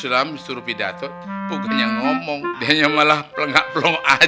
jadi sisulam disuruh pidato bukannya ngomong dengnya malah plengak plengok aja